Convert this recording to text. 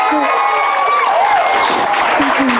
ครอบครับ